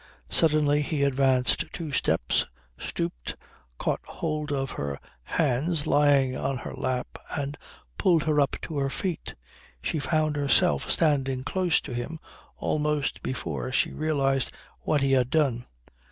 Suddenly he advanced two steps, stooped, caught hold of her hands lying on her lap and pulled her up to her feet; she found herself standing close to him almost before she realized what he had done.